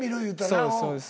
そうですそうです。